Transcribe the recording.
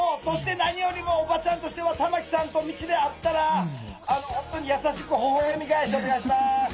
そして何よりもおばちゃんとしては玉木さんと道で会ったら本当に優しくほほえみがえしお願いします。